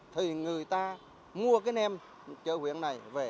thì người ta mua cái nem chợ quyện này về